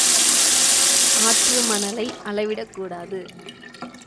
ஆற்று மணலை அளவிடக் கூடாது.